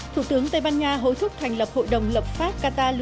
thủ tướng tây ban nha hối thúc thành lập hội đồng lập pháp qatar